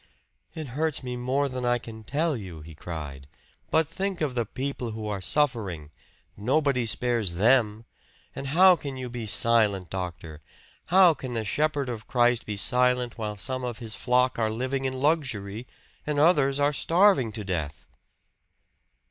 "It hurts me more than I can tell you!" he cried. "But think of the people who are suffering nobody spares them! And how can you be silent, doctor how can the shepherd of Christ be silent while some of his flock are living in luxury and others are starving to death?"